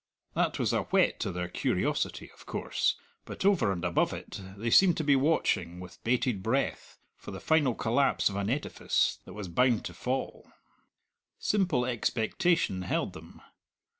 That was a whet to their curiosity, of course; but, over and above it, they seemed to be watching, with bated breath, for the final collapse of an edifice that was bound to fall. Simple expectation held them.